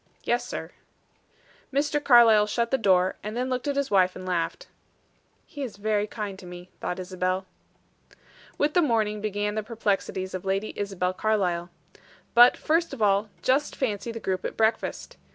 "Yes, sir." Mr. Carlyle shut the door, and then looked at his wife and laughed. "He is very kind to me," thought Isabel. With the morning began the perplexities of Lady Isabel Carlyle. But, first of all, just fancy the group at breakfast.